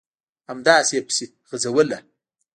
همداسې یې پسې غځوله ...